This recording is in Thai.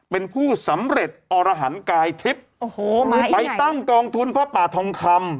เป็นผู้สำเร็จอรหันต์กายทิพย์โอ้โหไปตั้งกองทุนผ้าป่าทองคำ